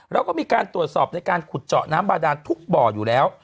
แล้วก็มีการตรวจสอบในการขุดเจาะน้ำบาดานทุกบ่ออยู่แล้ว